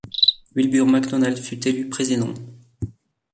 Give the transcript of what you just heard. Wilbur MacDonald fut élu président.